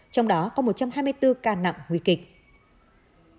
trong hai mươi bốn ca nặng nguy kịch